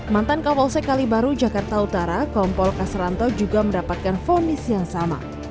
mantan kapolsek kalibaru jakarta utara kompol kasaranto juga mendapatkan vonis yang sama